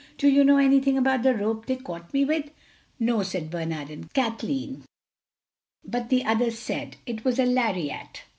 Do you know anything about the rope they caught me with?" "No," said Bernard and Kathleen. But the others said, "It was a lariat."